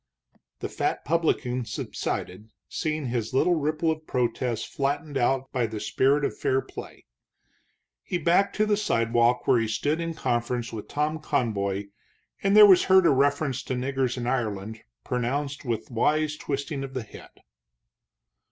The fat publican subsided, seeing his little ripple of protest flattened out by the spirit of fair play. He backed to the sidewalk, where he stood in conference with Tom Conboy, and there was heard a reference to niggers in Ireland, pronounced with wise twisting of the head.